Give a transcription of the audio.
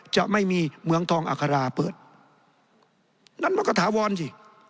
จะไม่มีเหมืองทองอัคราเปิดนั่นมันก็ถาวรสิ